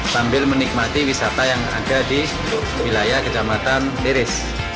sambil menikmati wisata yang ada di wilayah kecamatan tiris